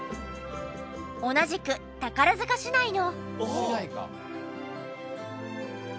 同じく宝塚市内の。